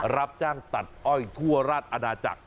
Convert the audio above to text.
รับจ้างตัดอ้อยทั่วราชอาณาจักร